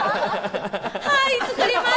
はい、作ります！